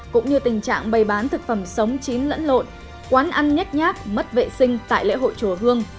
cũng như tình trạng bày bán thực phẩm sống chín lẫn lộn quán ăn nhát nhác mất vệ sinh tại lễ hội chùa hương